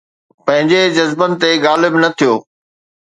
پنهنجي جذبن تي غالب نه ٿيو